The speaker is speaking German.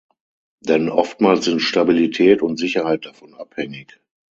Denn oftmals sind Stabilität und Sicherheit davon abhängig.